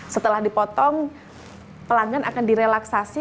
setelah dipotong pelanggan akan direlaksasi